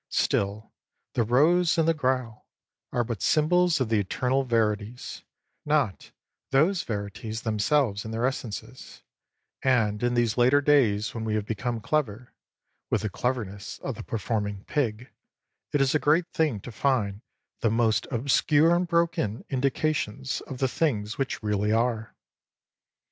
Still, the Rose and the Graal are but symbols of the eternal verities, not those verities themselves in their essences; and in these later days when we have become clever with the cleverness of the Performing Pig it is a great thing to find the most obscure and broken indications of the things which really are.